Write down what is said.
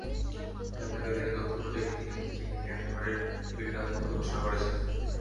Time ম্যাগাজিনের তথ্য অনুযায়ী, তিনি নিজেকে মিয়ানমারের বিন লাদেন বলে ঘোষণা করেছেন।